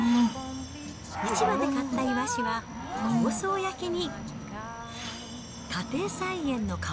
市場で買ったイワシは香草焼きに。